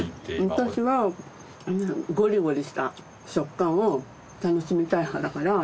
私はゴリゴリした食感を楽しみたい派だから。